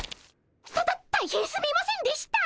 たた大変すみませんでした。